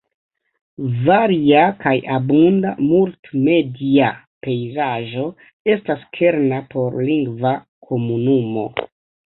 Varia kaj abunda multmedia pejzaĝo estas kerna por lingva komunumo.